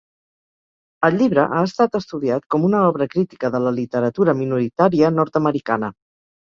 El llibre ha estat estudiat com una obra crítica de la literatura minoritària nord-americana.